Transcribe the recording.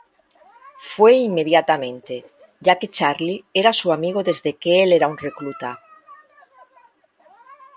Fue inmediatamente, ya que Charlie era su amigo desde que el era un recluta.